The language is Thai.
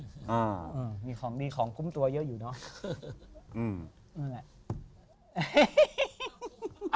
อ๊าย้๋งมีของดีของกุ้มตัวยก์อยู่เนาะ